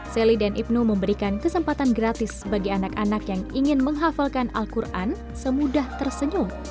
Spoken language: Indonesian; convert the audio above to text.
sally dan ibnu memberikan kesempatan gratis bagi anak anak yang ingin menghafalkan al quran semudah tersenyum